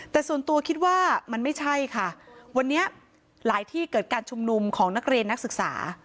แต่ส่วนตัวคิดว่ามันไม่ใช่ค่ะวันนี้หลายที่เกิดการชุมนุมของนักเรียนนักศึกษา